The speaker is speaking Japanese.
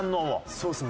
そうですね。